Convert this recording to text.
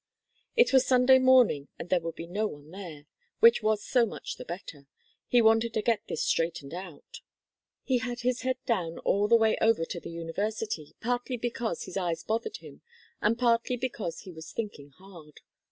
It was Sunday morning and there would be no one there, which was so much the better. He wanted to get this straightened out. He had his head down all the way over to the university, partly because his eyes bothered him and partly because he was thinking hard.